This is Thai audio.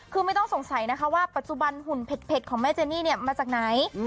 คือไม่ต้องสงสัยนะคะว่าปัจจุบันหุ่นเผ็ดของแม่เจนี่เนี่ยมาจากไหน